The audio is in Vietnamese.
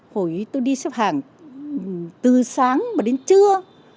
hồi tôi đi xếp hàng từ sáng mà đến trưa